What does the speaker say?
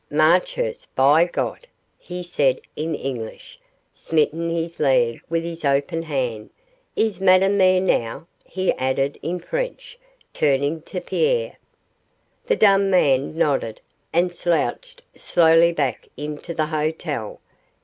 'Marchurst, by God!' he said in English, smiting his leg with his open hand. 'Is Madame there now?' he added in French, turning to Pierre. The dumb man nodded and slouched slowly back into the hotel.